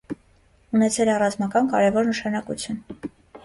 Ունեցել է ռազմական կարևոր նշանակություն։